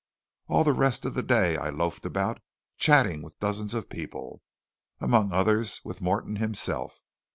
All the rest of the day I loafed about, chatting with dozens of people, among the others with Morton himself.